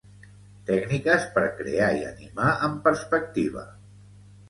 Tècniques per crear i animar en perspectiva.